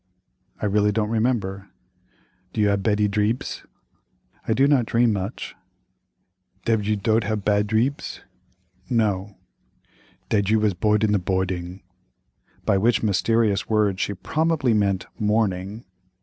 "I really don't remember." "Do you have beddy dreabs?" "I do not dream much." "Thed you dod't have bad dreabs?" "No." "Thed you was bord id the bording," by which mysterious word she probably meant, "morning."